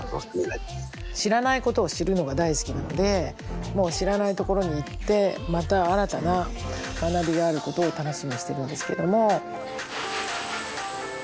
知らないことを知るのが大好きなのでもう知らないところに行ってまた新たな学びがあることを楽しみにしてるんですけども。